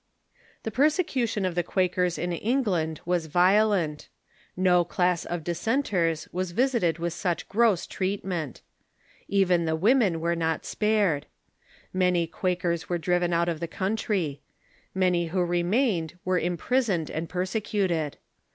The persecution of the Quakers in England was violent. No class of dissenters was visited with such gross treatment. Penn and •'^^^n the women were not spared. Many Quak the Quaker ers were driven out of the country. Many who migra ion j g^iained were imprisoned and persecuted.